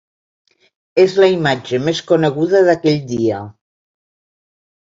És la imatge més coneguda d’aquell dia.